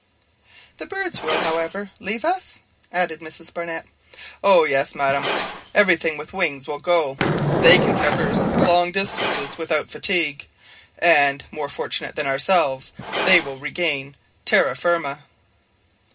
"The birds will, however, leave us?" added Mrs Barnett. "Oh yes, madam, everything with wings will go, they can traverse long distances without fatigue, and, more fortunate than ourselves, they will regain terra firma."